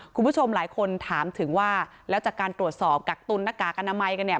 คุณผู้ชมหลายคนถามถึงว่าแล้วจากการตรวจสอบกักตุนหน้ากากอนามัยกันเนี่ย